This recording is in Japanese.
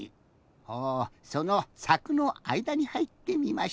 ほうそのさくのあいだにはいってみました。